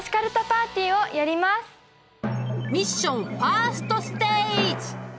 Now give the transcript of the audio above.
ミッションファーストステージ！